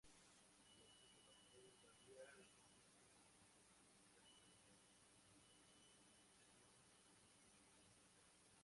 Los síntomas pueden variar, dependiendo de la ubicación exacta de la deleción cromosómica.